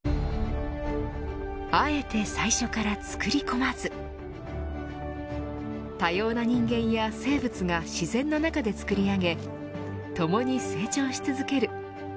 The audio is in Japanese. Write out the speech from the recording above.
あえて、最初からつくり込まず多様な人間や生物が自然の中で作り上げともに成長し続ける。